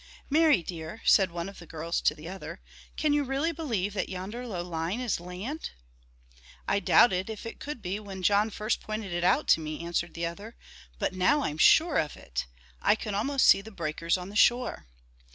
"Mary dear," said one of the girls to the other, "can you really believe that yonder low line is land?" "I doubted if it could be when John first pointed it out to me," answered the other, "but now I'm sure of it. I can almost see the breakers on the shore.